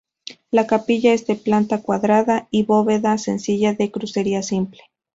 La capilla es de planta cuadrada y bóveda sencilla de crucería simple.